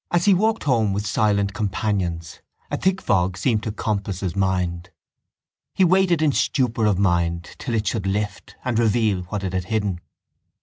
As he walked home with silent companions a thick fog seemed to compass his mind. He waited in stupor of mind till it should lift and reveal what it had hidden.